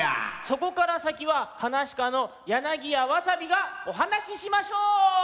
そこからさきははなしかのやなぎやわさびがおはなししましょう！